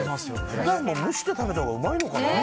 普段も蒸して食べたほうがうまいのかな？